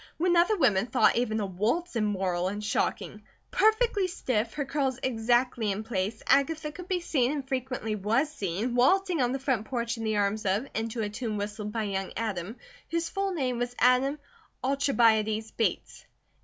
When other women thought even a waltz immoral and shocking; perfectly stiff, her curls exactly in place, Agatha could be seen, and frequently was seen, waltzing on the front porch in the arms of, and to a tune whistled by young Adam, whose full name was Adam Alcibiades Bates.